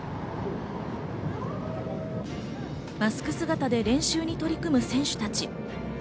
マスク姿で練習に取り組む選手たち。